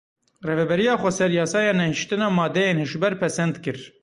Rêveberiya Xweser yasaya nehîştina madeyên hişbir pesend kir.